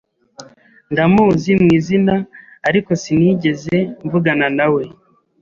Ndamuzi mwizina ariko sinigeze mvugana nawe.